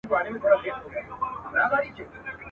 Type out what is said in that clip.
څپه څپه را ځه توپانه پر ما ښه لګیږي ,